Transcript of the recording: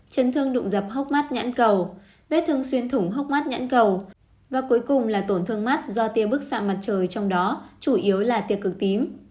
chấn thương đụng dập hốc mắt nhãn cầu vết thương xuyên thủng hốc mắt nhãn cầu và cuối cùng là tổn thương mắt do tiêu bức xạ mặt trời trong đó chủ yếu là tiêu cực tím